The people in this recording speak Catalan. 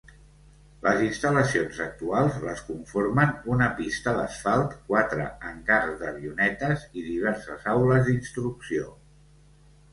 Les instal·lacions actuals les conformen una pista d'asfalt, quatre hangars d'avionetes i diverses aules d'instrucció.